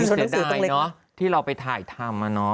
เสียดายเนอะที่เราไปถ่ายทำ